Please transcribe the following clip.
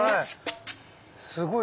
すごい！